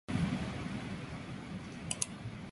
— Betamiz!